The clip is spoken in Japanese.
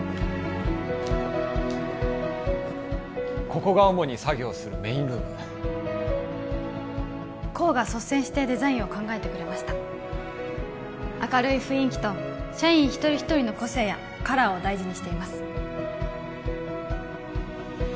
ここが主に作業するメインルーム功が率先してデザインを考えてくれました明るい雰囲気と社員一人一人の個性やカラーを大事にしています